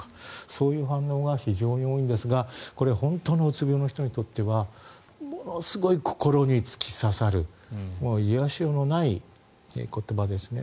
そういう反応が非常に多いんですがこれは本当のうつ病の人にとってはものすごい心に突き刺さる癒やしようのない言葉ですね。